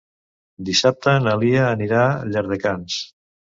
Dissabte na Lia anirà a Llardecans.